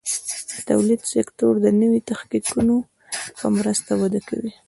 د تولید سکتور د نوي تخنیکونو په مرسته وده کوي.